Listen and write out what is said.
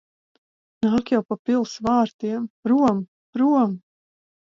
Nāk jau pa pils vārtiem. Prom! Prom!